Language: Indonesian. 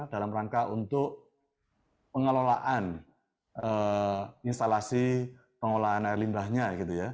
dalam rangka untuk pengelolaan instalasi pengelolaan air limbahnya gitu ya